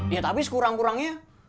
ya tapi sekurang kurangnya